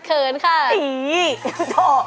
เคินค่ะอี๋โถ่